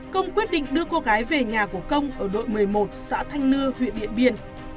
công quyết định đưa cô gái về nhà của công ở đội một mươi một xã thanh nưa huyện điện biên